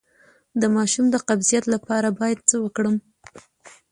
د ماشوم د قبضیت لپاره باید څه وکړم؟